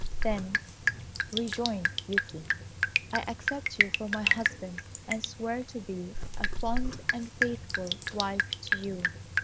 "Then," rejoined Beauty, "I accept you for my husband, and swear to be a fond and faithful wife to you."